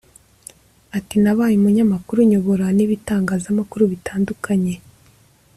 Ati “Nabaye umunyamakuru nyobora n’ibitangazamakuru bitandukanye